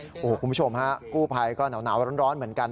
คุณผู้ชมฮะกู้ภัยก็หนาวร้อนเหมือนกัน